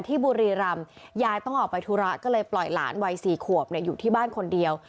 บุรีรำยายต้องออกไปธุระก็เลยปล่อยหลานวัย๔ขวบอยู่ที่บ้านคนเดียว